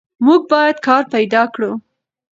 موږ باید کار پیدا کړو.